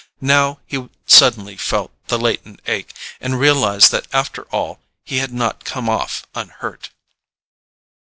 Now he suddenly felt the latent ache, and realized that after all he had not come off unhurt.